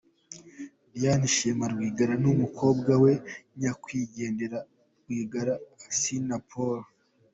Diane Shima Rwigara ni umukobwa wa nyakwigendera Rwigara Assinapol.